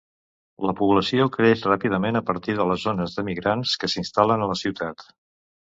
La població creix ràpidament a partir de les ones d'emigrants que s'instal·len a la ciutat.